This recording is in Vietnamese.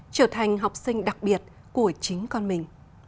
trở thành học sinh đặc biệt của chính con mình